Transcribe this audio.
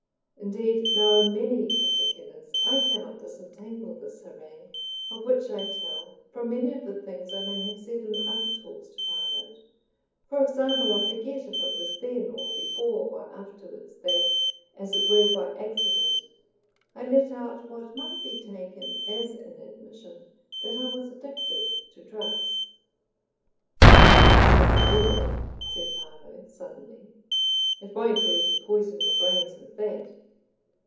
Indeed, now in many particulars I cannot disentangle this harangue of which I tell from many of the things I may have said in other talks to Parload. For example, I forget if it was then or before or afterwards that, as it were by accident, I let out what might be taken as an admission that I was addicted to drugs. "You shouldn't do that," said Parload, suddenly. "It won't do to poison your brains with that."